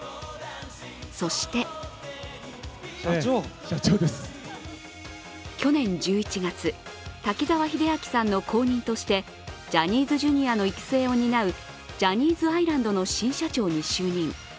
そして去年１１月、滝沢秀明さんの後任としてジャニーズＪｒ．の育成を担うジャニーズアイランドの新社長に就任。